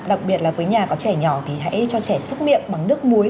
đặc biệt là với nhà có trẻ nhỏ thì hãy cho trẻ xúc miệng bằng nước muối